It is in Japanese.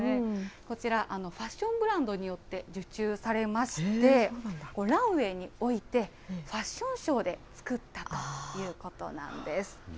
こちら、ファッションブランドによって、受注されまして、ランウェイにおいてファッションショーで作ったということなんです。